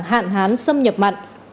tình trạng hạn hán xâm nhập mặn